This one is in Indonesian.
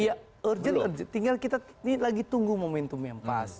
iya urgent tinggal kita ini lagi tunggu momentum yang pas